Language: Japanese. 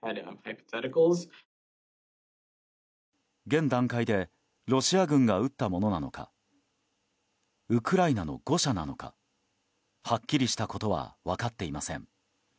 現段階でロシア軍が撃ったものなのかウクライナの誤射なのかはっきりしたことは分かっていません。